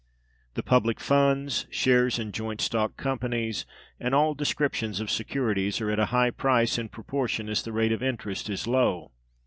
The public funds, shares in joint stock companies, and all descriptions of securities, are at a high price in proportion as the rate of interest is low.